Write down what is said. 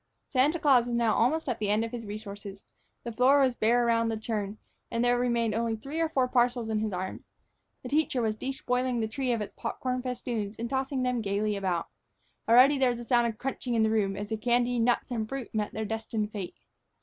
Santa Claus was now almost at the end of his resources. The floor was bare about the churn, and there remained only three or four parcels in his arms. The teacher was despoiling the tree of its pop corn festoons and tossing them gaily about. Already there was a sound of crunching in the room, as the candy, nuts, and fruit met their destined fate.